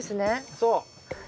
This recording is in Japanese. そう。